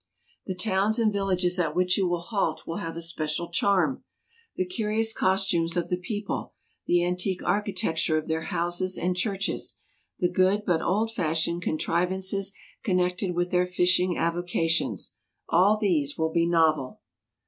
The towns and villages at which you will halt will have a special charm. The curious costumes of the people ; the antique architecture of their houses and churches ; the good but old fashioned contrivances connected with their fishing avocations — all these will be novel.